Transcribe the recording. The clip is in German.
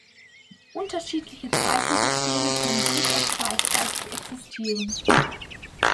Unterschiedliche Zeichensysteme können durchaus gleichzeitig existieren.